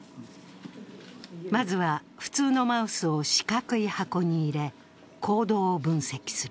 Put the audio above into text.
まずは普通のマウスを四角い箱に入れ行動を分析する。